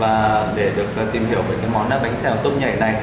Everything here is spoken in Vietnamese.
và để được tìm hiểu về cái món bánh xèo tốt nhảy này